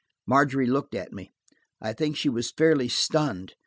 Margery looked at me. I think she was fairly stunned.